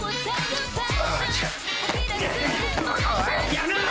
やめろ！